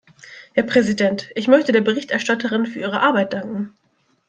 Herr Präsident, ich möchte der Berichterstatterin für ihre Arbeit danken.